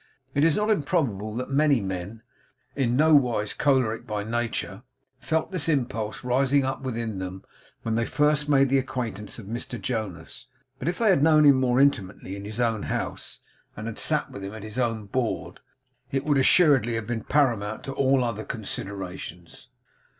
It is not improbable that many men, in no wise choleric by nature, felt this impulse rising up within them, when they first made the acquaintance of Mr Jonas; but if they had known him more intimately in his own house, and had sat with him at his own board, it would assuredly have been paramount to all other considerations.